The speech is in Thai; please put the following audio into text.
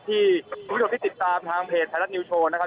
คุณผู้ชมที่ติดตามทางเพจไทยรัฐนิวโชว์นะครับ